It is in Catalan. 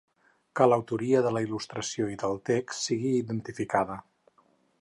Que l'autoria de la il·lustració i del text sigui identificada.